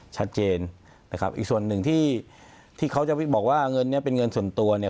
ชัดเจนนะครับอีกส่วนหนึ่งที่ที่เขาจะบอกว่าเงินเนี่ยเป็นเงินส่วนตัวเนี่ย